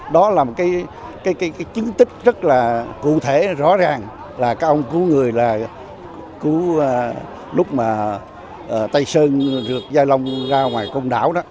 đó là một cái chứng tích rất là cụ thể rõ ràng là các ông cứu người là cứu lúc mà tây sơn dược gia long ra ngoài công đảo đó